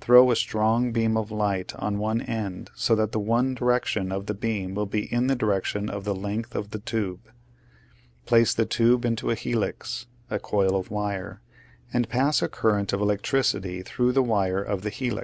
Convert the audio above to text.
Throw a strong beam of light on one end so that the direction of the beam will be in the direction of the length of the tube Place the tube into a helix (a coil of wire), and pass a current of electricity through the wire of the helix.